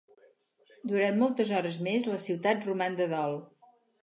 Durant moltes hores més la ciutat roman de dol.